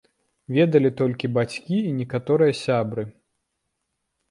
Ведалі толькі бацькі і некаторыя сябры.